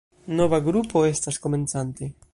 Nova grupo estas komencante.